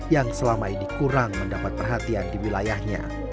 yang selama ini kurang mendapat perhatian di wilayahnya